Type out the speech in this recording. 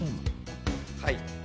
はい。